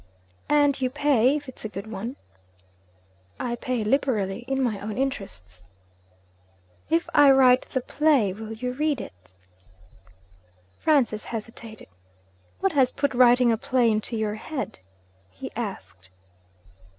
'And you pay, if it's a good one?' 'I pay liberally in my own interests.' 'If I write the play, will you read it?' Francis hesitated. 'What has put writing a play into your head?' he asked.